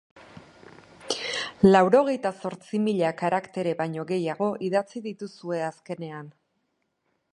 Laurogeita zortzi mila karaktere baino gehiago idatzi dituzue azkenean.